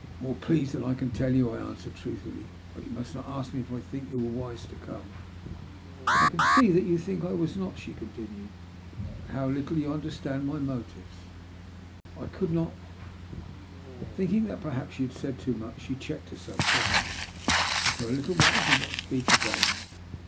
More pleased than I can tell you/' I answered, truthfully. " But yon must not ask me if I think you were wise to come." ''I can see that you think I was not," she continued. ''But how little you understand my motives. I could not " Thinking that perhaps she had said too much, she checked herself suddenly, and for a little while did not speak again.